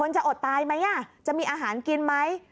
จะมีอาหารกินไหม